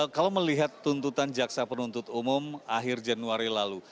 kalau melihat tuntutan jaksa penuntut umum akhir januari lalu